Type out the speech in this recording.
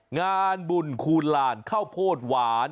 งานบุญคูณลานข้าวโพดหวาน